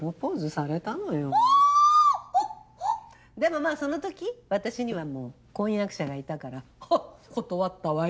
でもまあそのとき私にはもう婚約者がいたから断ったわよ。